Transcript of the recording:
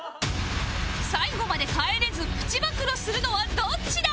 最後まで帰れずプチ暴露するのはどっちだ？